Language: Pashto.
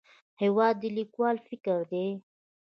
هېواد د لیکوال فکر دی.